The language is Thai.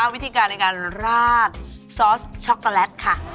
วิธีการในการราดซอสช็อกโกแลตค่ะ